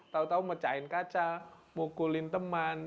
tau tau mecahin kaca mukulin teman